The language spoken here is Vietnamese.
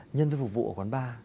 nhân viên phục vụ ở quán bar